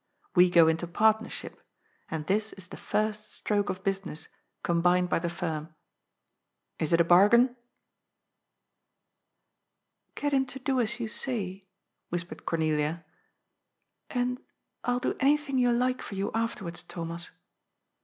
We go into partnership, and this is the first stroke of business combined by the firm. Is it a bargain ?"" Get him to do as you say," whispered Cornelia, " and 111 do anything you like for you afterwards, Thomas.